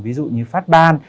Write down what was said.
ví dụ như phát ban